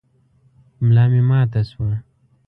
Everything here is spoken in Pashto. ملا مي ماته شوه .